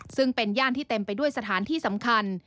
ซึ่งเป็นย่านที่เต็มไปด้วยสถานที่สำคัญ